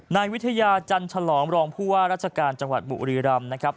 ในวิทยาจันทรลองรองผู้ว่ารักษาการจังหวัดบุรีรำ